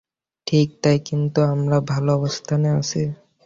ঠিক তাই, কিন্তু আমরা ভালো অবস্থানে আছি।